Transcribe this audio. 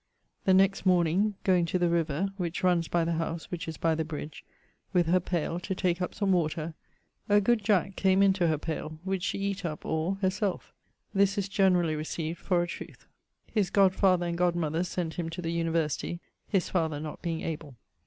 The next morning, goeing to the river, which runs by the howse (which is by the bridge), with her payle, to take up some water, a good jack came into her payle. Which shee eat up, all, her selfe. This is generally recieved for a trueth. His godfather and godmothers sent him to the University, his father not being able.